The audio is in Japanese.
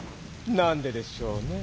なんででしょうね？